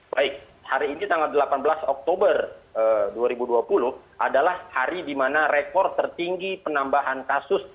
baik hari ini tanggal delapan belas oktober dua ribu dua puluh adalah hari di mana rekor tertinggi penambahan kasus